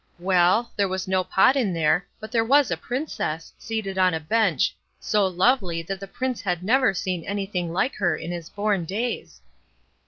Well, there was no pot in there, but there was a Princess, seated on a bench, so lovely, that the Prince had never seen anything like her in his born days.